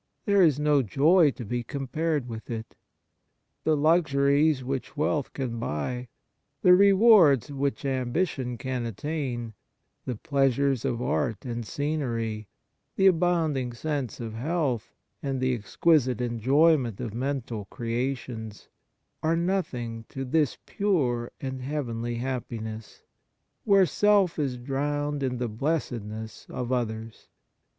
There is no joy to be compared with it. The luxuries which wealth can buy, the rewards which ambition can attain, the pleasures of art and scenery, the abounding sense of health, and the exquisite enjoy ment of mental creations, are nothing to this pure and heavenly happiness, where self is drowned in the blessedness of others.